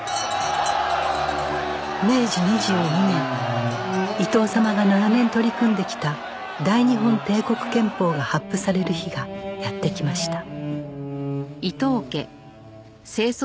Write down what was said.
明治２２年伊藤様が長年取り組んできた大日本帝国憲法が発布される日がやってきました